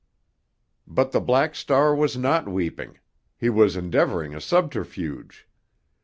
But the Black Star was not weeping—he was endeavoring a subterfuge.